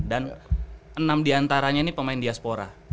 dan enam diantaranya nih pemain diaspora